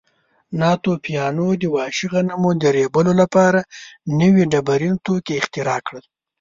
ناتوفیانو د وحشي غنمو د ریبلو لپاره نوي ډبرین توکي اختراع کړل.